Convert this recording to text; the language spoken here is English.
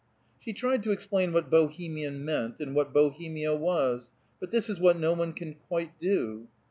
She tried to explain what Bohemian meant, and what Bohemia was; but this is what no one can quite do.